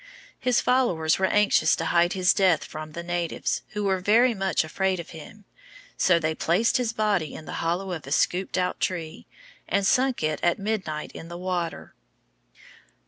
His followers were anxious to hide his death from the natives, who were very much afraid of him. So they placed his body in the hollow of a scooped out tree, and sunk it at midnight in the water.